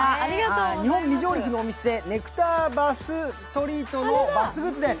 日本未上陸店のお店、ネクター・バス・トリートのバスグッズです。